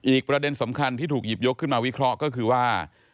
ประเด็นสำคัญที่ถูกหยิบยกขึ้นมาวิเคราะห์ก็คือว่า